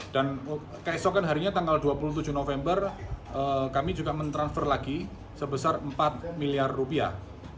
dan keesokan harinya tanggal dua puluh tujuh november kami juga men transfer lagi sebesar empat miliar rupiah